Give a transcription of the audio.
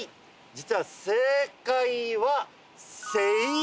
実は正解は。